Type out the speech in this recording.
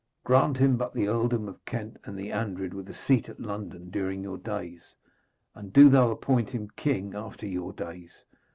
Grant him but the earldom of Kent and the Andred, with a seat at London, during your days, and do thou appoint him king after your days.